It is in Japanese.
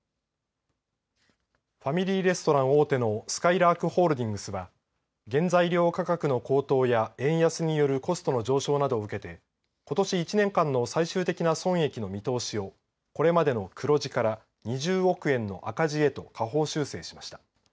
ファミリーレストラン大手のすかいらーくホールディングスは原材料価格の高騰や円安によるコストの上昇などを受けてことし１年間の最終的な損益の見通しをこれまでの黒字から２０億円の赤字へと下方修正しました。